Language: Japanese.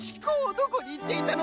どこにいっていたの！？